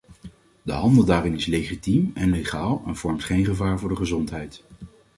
De handel daarin is legitiem en legaal en vormt geen gevaar voor de gezondheid.